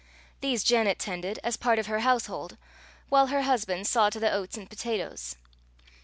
These Janet tended as part of her household, while her husband saw to the oats and potatoes.